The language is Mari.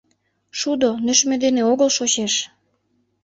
Шудо нӧшмӧ дене огыл шочеш.